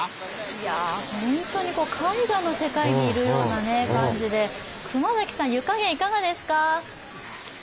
本当に絵画の世界にいるような感じで、熊崎さん、湯加減いかがですか？